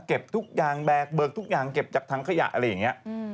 ทุกอย่างแบกเบิกทุกอย่างเก็บจากถังขยะอะไรอย่างนี้